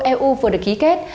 eu vừa được ký kết